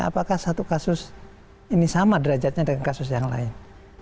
apakah satu kasus ini sama derajatnya dengan kasus yang lain